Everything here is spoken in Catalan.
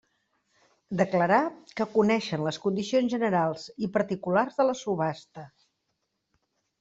Declarar que coneixen les condicions generals i particulars de la subhasta.